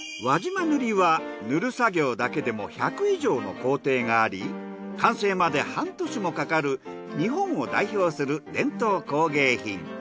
輪島塗は塗る作業だけでも１００以上の工程があり完成まで半年もかかる日本を代表する伝統工芸品。